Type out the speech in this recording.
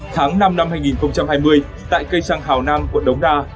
tháng năm năm hai nghìn hai mươi tại cây xăng hào nang quận đống đa